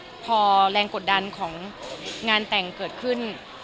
พอแรงกดดันของงานแต่งเกิดขึ้น